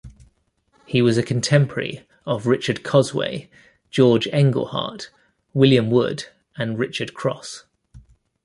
He was a contemporary of Richard Cosway, George Engleheart, William Wood and Richard Crosse.